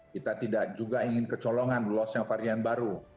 kita tidak juga ingin kecolongan lolosnya varian baru